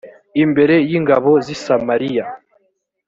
imbere y ingabo z i samariya